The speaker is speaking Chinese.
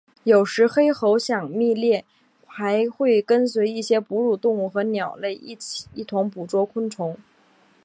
有时黑喉响蜜䴕还会跟随一些哺乳动物和鸟类一同捕捉昆虫。